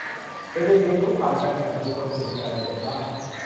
เธอจึงเรียนรู้ผ่านการแอบดูคนอื่นมีอะไรกันบ้าง